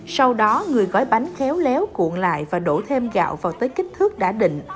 sau đó người gói bánh khéo léo cuộn lại và đổ thêm gạo vào tới kích thước đã định